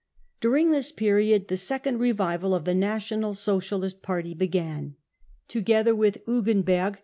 During this period the second revival of the National Socialist Party began. Together with Hugenberg.